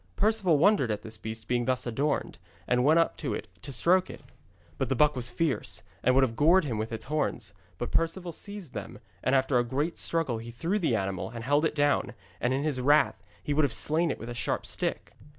Perceval wondered at this beast being thus adorned, and went up to it to stroke it. But the buck was fierce, and would have gored him with its horns, but Perceval seized them, and after a great struggle he threw the animal, and held it down, and in his wrath he would have slain it with a sharp stick.